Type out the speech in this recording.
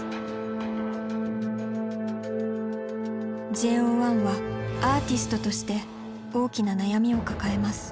ＪＯ１はアーティストとして大きな悩みを抱えます。